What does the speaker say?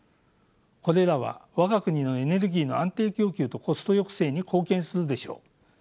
これらは我が国のエネルギーの安定供給とコスト抑制に貢献するでしょう。